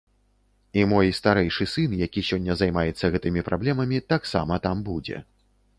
І мой старэйшы сын, які сёння займаецца гэтымі праблемамі, таксама там будзе.